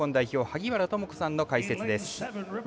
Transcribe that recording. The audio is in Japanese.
萩原智子さんの解説です。